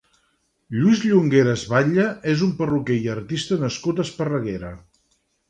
Lluís Llongueras Batlle és un perruquer i artista nascut a Esparreguera.